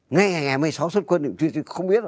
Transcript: ngay ngày ngày một mươi sáu xuất quân thì không biết rồi